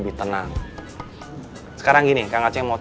kita harus ganti angkot